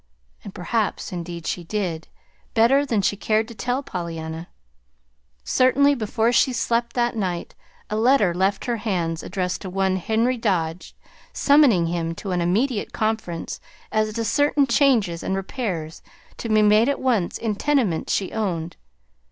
And perhaps, indeed, she did better than she cared to tell Pollyanna. Certainly, before she slept that night, a letter left her hands addressed to one Henry Dodge, summoning him to an immediate conference as to certain changes and repairs to be made at once in tenements she owned.